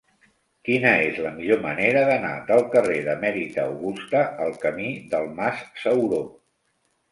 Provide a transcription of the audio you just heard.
Quina és la millor manera d'anar del carrer d'Emèrita Augusta al camí del Mas Sauró?